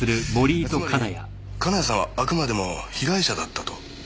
つまり金谷さんはあくまでも被害者だったと？